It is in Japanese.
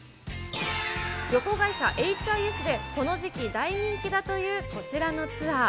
旅行会社エッチ・アイ・エスでこの時期大人気だというこちらのツアー。